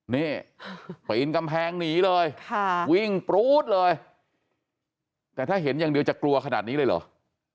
นี่ปีนกำแพงหนีเลยวิ่งปรู๊ดเลยแต่ถ้าเห็นอย่างเดียวจะกลัวขนาดนี้เลยเหรอ